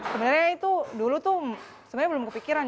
sebenarnya itu dulu tuh sebenarnya belum kepikiran